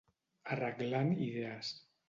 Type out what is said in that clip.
Arreglant idees.